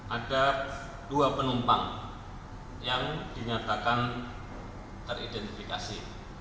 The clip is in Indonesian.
ada dua penumpang yang dinyatakan teridentifikasi